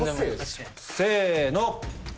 せの。